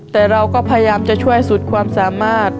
แต่เราก็พยายามจะช่วยสุดความสามารถ